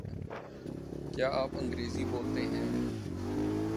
کیا آپ انگریزی بولتے ہیں؟